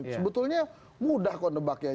sebetulnya mudah kok nebaknya